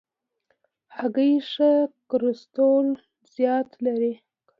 هګۍ ښه کلسترول زیات لري.